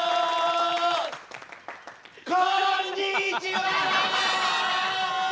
こんにちは！